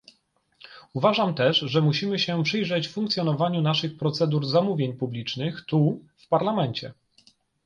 Uważam też, że musimy się przyjrzeć funkcjonowaniu naszych procedur zamówień publicznych tu, w Parlamencie